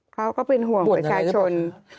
ก็เป็นห่วงประชาชน